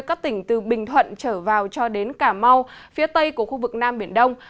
các tỉnh từ bình thuận trở vào cho đến cà mau phía tây của khu vực nam biển đông